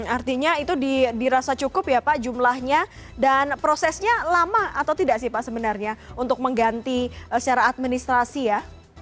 artinya itu dirasa cukup ya pak jumlahnya dan prosesnya lama atau tidak sih pak sebenarnya untuk mengganti secara administrasi ya